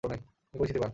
তিনি পরিচিতি পান।